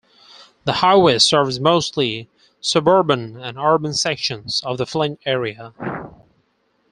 The highway serves mostly suburban and urban sections of the Flint area.